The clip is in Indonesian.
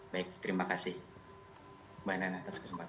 baik terima kasih mbak nana atas kesempatan